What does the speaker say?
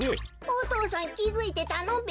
お父さんきづいてたのべ。